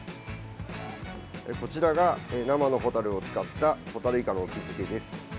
こちらが生のホタルを使ったホタルイカの沖漬けです。